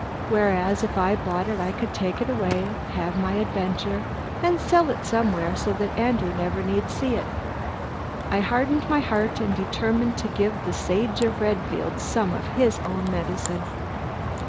Whereas if I bought it I could take it away, have my adventure, and sell it somewhere so that Andrew never need see it. I hardened my heart and determined to give the Sage of Redfield some of his own medicine.